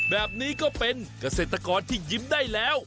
แบบนี้ก็เป็นเกษตรกรที่ยิ้มได้แล้ว